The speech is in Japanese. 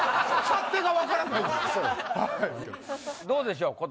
どうでしょう？